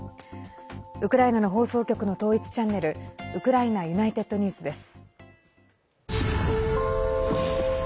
ウクライナの放送局の統一チャンネルウクライナＵｎｉｔｅｄＮｅｗｓです。